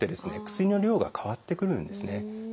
薬の量が変わってくるんですね。